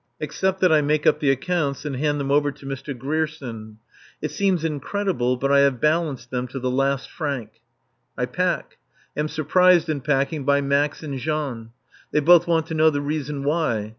Except that I make up the accounts and hand them over to Mr. Grierson. It seems incredible, but I have balanced them to the last franc. I pack. Am surprised in packing by Max and Jean. They both want to know the reason why.